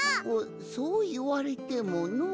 そういわれてものう。